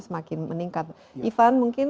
semakin meningkat ivan mungkin